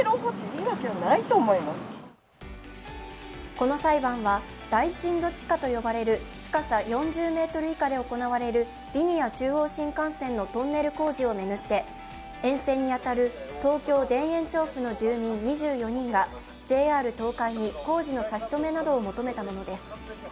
この裁判は大深度地下と呼ばれる深さ４０ｍ以下で行われるリニア中央新幹線のトンネル工事を巡って沿線に当たる東京・田園調布の住民２４人がＪＲ東海に工事の差し止めなどを求めたものです。